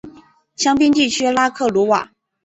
香槟地区拉克鲁瓦。